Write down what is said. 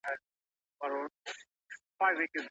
د ناروغانو خوندیتوب څنګه باوري کیږي؟